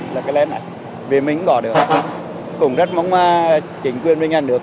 là cái len này bìa mỉnh gò đường cũng rất mong chính quyền của nhà nước